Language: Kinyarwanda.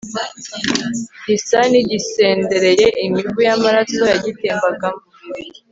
gisa n'igisendereye imivu y'amaraso yagitembagamo